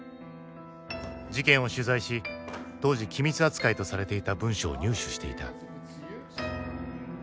事件を取材し当時機密扱いとされていた文書を入手していた。